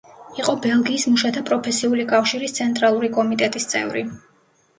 იყო ბელგიის მუშათა პროფესიული კავშირის ცენტრალური კომიტეტის წევრი.